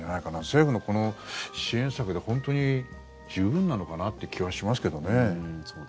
政府のこの支援策で本当に十分なのかなって気はしますけどね。